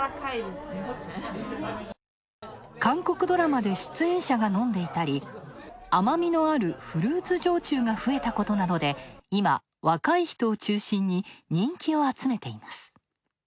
韓国ドラマで出演者が飲んでいたり甘みのあるフルーツ焼酎が増えたことなどで今、若い人を中心に人気を集めています。